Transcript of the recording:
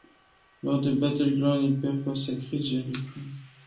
Lors de Battleground, il perd face à Chris Jericho.